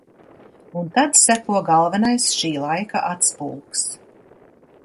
Un tad seko galvenais šī laika atspulgs.